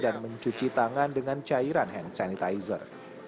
dan mencuci tangan dengan cairan hand sanitizer